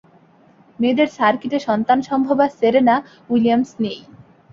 মেয়েদের সার্কিটে সন্তানসম্ভবা Serena Williams নেই।